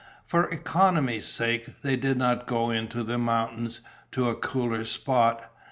For economy's sake, they did not go into the mountains, to a cooler spot.